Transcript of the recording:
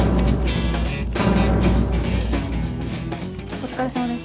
お疲れさまです。